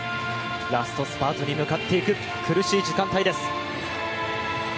ラストスパートに向かっていく苦しい時間帯です。